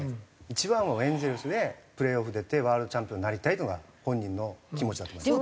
一番はエンゼルスでプレーオフ出てワールドチャンピオンになりたいというのが本人の気持ちだと思います。